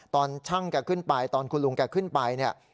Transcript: ตอนช่างแกขึ้นไปตอนคุณลุงแกขึ้นไปเนี่ย